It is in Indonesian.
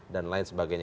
dan lain sebagainya